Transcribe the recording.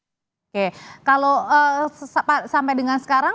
oke kalau sampai dengan sekarang